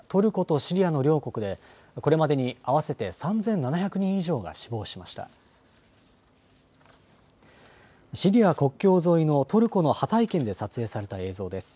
シリア国境沿いのトルコのハタイ県で撮影された映像です。